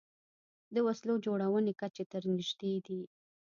د وسلو جوړونې کچې ته نژدې دي